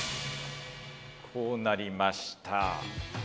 こうなりました。